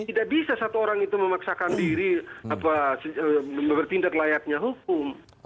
tidak bisa satu orang itu memaksakan diri bertindak layaknya hukum